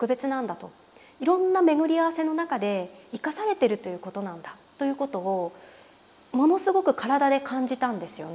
いろんな巡り合わせの中で生かされてるということなんだということをものすごく体で感じたんですよね